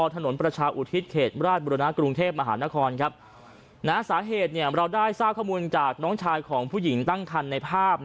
ประชาอุทิศเขตราชบุรณะกรุงเทพมหานครครับสาเหตุเราได้ทราบข้อมูลจากน้องชายของผู้หญิงตั้งคันในภาพ